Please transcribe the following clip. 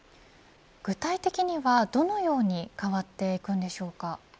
具体的にはどのように変わっていくんでしょうか。